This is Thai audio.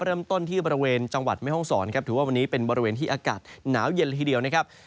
เริ่มต้นที่บริเวณจังหวัดแม่ห้องศรครับถือว่าวันนี้เป็นบริเวณที่อากาศหนาวเย็นละทีเดียวนะครับ